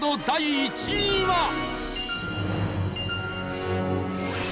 第１位は。